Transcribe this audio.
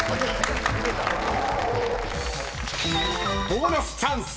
［ボーナスチャンス！］